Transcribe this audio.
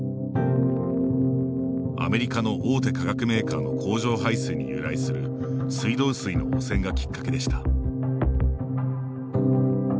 アメリカの大手化学メーカーの工場排水に由来する水道水の汚染がきっかけでした。